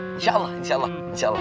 insya allah insya allah insya allah